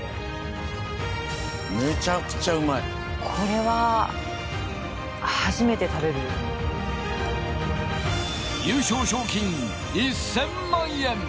めちゃくちゃうまいこれは初めて食べる優勝賞金１０００万円